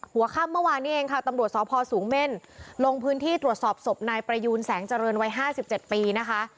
หัวค่ำเมื่อวานนี้เองค่ะตำรวจสพสูงเม่นลงพื้นที่ตรวจสอบศพนายประยูนแสงเจริญวัย๕๗ปีนะคะ